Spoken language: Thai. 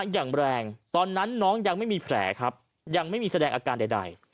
อย่างแรงตอนนั้นน้องยังไม่มีแผลครับยังไม่มีแสดงอาการใด